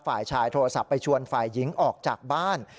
ฝ่ายชายโทรศัพท์ไปชวนฝ่ายหญิงออกจากบ้าน